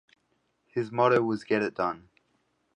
His motto was "get it done".